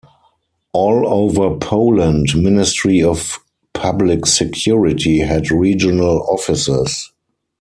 All over Poland Ministry of Public Security had regional offices.